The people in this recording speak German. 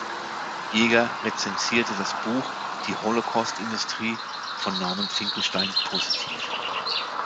Jäger rezensierte das Buch "Die Holocaust-Industrie" von Norman Finkelstein positiv.